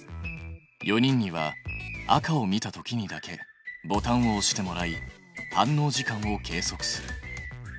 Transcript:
４人には赤をみたときにだけボタンをおしてもらい反応時間を計測する。